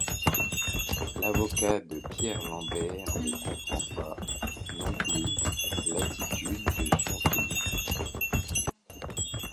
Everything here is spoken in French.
L'avocat de Pierre Lambert ne comprend pas, non plus, l'attitude de son client.